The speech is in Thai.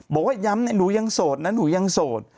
บอกว่าย้ำหนูยังโสดนะหนูยังโสด